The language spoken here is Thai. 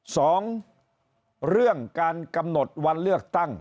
สองเรื่องการกำหนดวันเลือกตั้ง